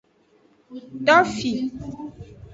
Tofi.